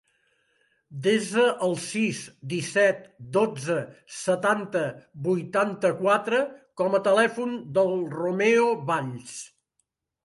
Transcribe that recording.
Desa el sis, disset, dotze, setanta, vuitanta-quatre com a telèfon del Romeo Valls.